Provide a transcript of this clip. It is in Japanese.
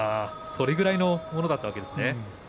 それくらいのものだったんですね。